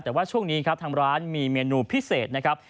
แต่ว่าช่วงนี้ครับทางร้านมีเมนูพิเศษนะครับ